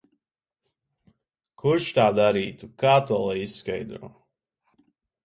Kurš tā darītu? Kā to lai izskaidro?